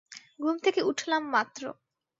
ঘুম থেকে উঠলাম মাত্র।